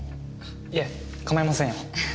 いえ構いませんよ。